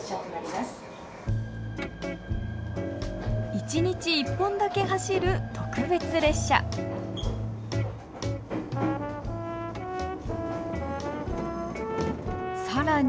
１日１本だけ走る特別列車更に